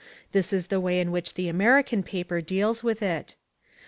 This is the way in which the American reporter deals with it.